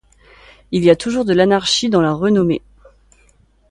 Il y a toujours de l’anarchie dans la renommée.